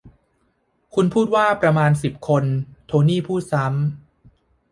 คุณพูดว่าประมาณสิบคนโทนี่พูดซ้ำ